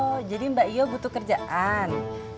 oh jadi mbak io butuh kerjaan